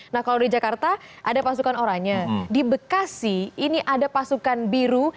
nah kalau di jakarta ada pasukan orangnya di bekasi ini ada pasukan biru